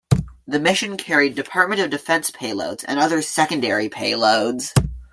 The mission carried Department of Defense payloads and other secondary payloads.